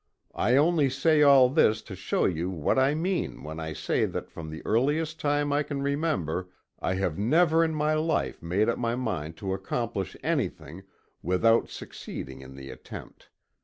I only say all this to show you what I mean when I say that from the earliest time I can remember, I have never in my life made up my mind to accomplish anything, without succeeding in the attempt.